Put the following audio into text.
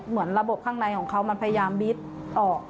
เหมือนระบบข้างในของเขามันพยายามบิดออก